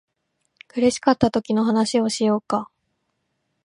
苦しかったときの話をしようか